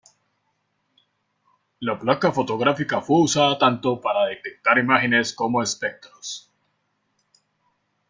La placa fotográfica fue usada tanto para detectar imágenes como espectros.